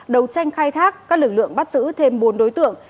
đầu tranh khai thác các lực lượng bắt giữ thêm bốn đối tượng